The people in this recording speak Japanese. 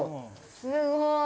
すごい！